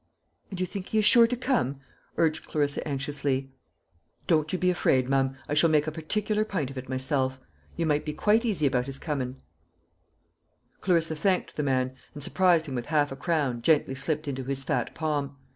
"And you think he is sure to come?" urged Clarissa anxiously. "Don't you be afraid, mum. I shall make a particular pint of it myself. You may be quite easy about his comin'." Clarissa thanked the man, and surprised him with half a crown gently slipped into his fat palm.